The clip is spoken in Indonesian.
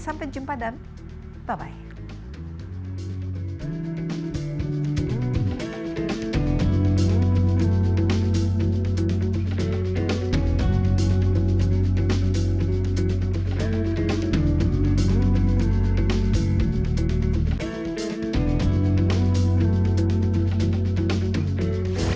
sampai jumpa dan bye bye